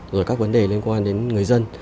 rồi các vấn đề liên quan đến người dân